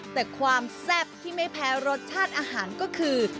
แต่ความแซ่บที่ไม่แพ้รสชาติอาหารก็คือ